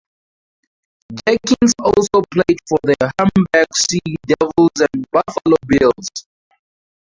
Jenkins also played for the Hamburg Sea Devils and Buffalo Bills.